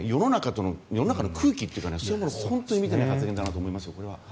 世の中の空気というかそういうものを見ていない発言だなと思いますよ。